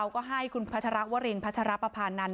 ก็ให้คุณพัชรวรินพัชรปภานันท